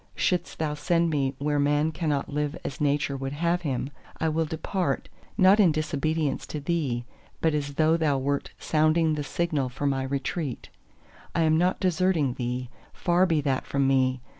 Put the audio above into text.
Shouldst Thou send me where man cannot live as Nature would have him, I will depart, not in disobedience to Thee, but as though Thou wert sounding the signal for my retreat: I am not deserting Thee—far be that from me!